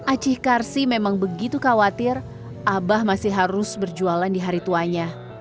acih karsi memang begitu khawatir abah masih harus berjualan di hari tuanya